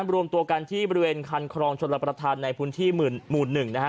รวมตัวกันที่บริเวณคันครองชนรับประทานในพื้นที่หมู่๑นะฮะ